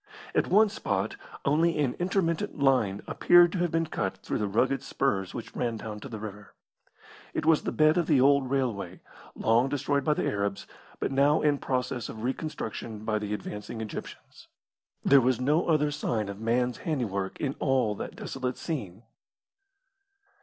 At one spot only an intermittent line appeared to have been cut through the rugged spurs which ran down to the river. It was the bed of the old railway, long destroyed by the Arabs, but now in process of reconstruction by the advancing Egyptians. There was no other sign of man's handiwork in all that desolate scene.